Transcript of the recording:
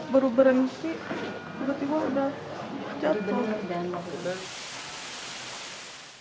baru berhenti tiba tiba udah jatuh